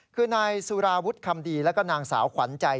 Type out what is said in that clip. คือนายสุราวุฒิคำดีแล้วก็นางสาวขวัญใจ